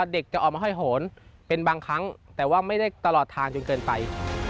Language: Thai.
เด็กจะออกมาห้อยโหนเป็นบางครั้งแต่ว่าไม่ได้ตลอดทางจนเกินไป